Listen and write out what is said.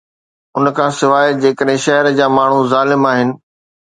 ان کان سواء، جيڪڏهن شهر جا ماڻهو ظالم آهن.